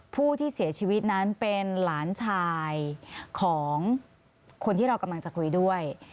ผู้ที่เสียชีวิตนั้นเป็นหลานชายของคนที่เรากำลังจะคุยด้วย